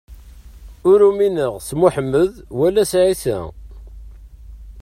Ur umineɣ s Muḥemmed wala s Ɛisa.